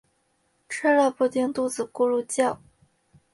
吃了布丁肚子咕噜叫